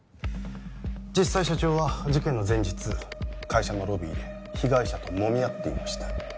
実際社長は事件の前日会社のロビーで被害者ともみ合っていました